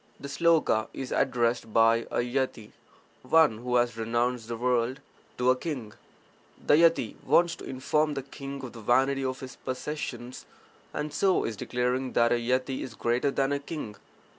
[The sloka is addressed by a yati (one who has renounced the world) to a king. The yati wants to inform the king of the vanity of his possessions, and so is declaring that a yati is greater than the king.